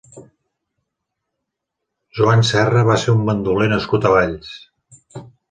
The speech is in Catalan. Joan Serra va ser un bandoler nascut a Valls.